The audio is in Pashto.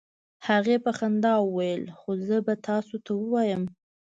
هغې په خندا وویل: "خو زه به تاسو ته ووایم،